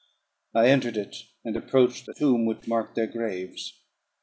I entered it, and approached the tomb which marked their graves.